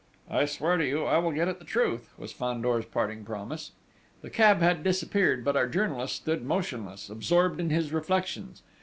"I swear to you I will get at the truth," was Fandor's parting promise. The cab had disappeared, but our journalist stood motionless, absorbed in his reflections.